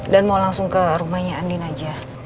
dan mau langsung ke rumahnya andin aja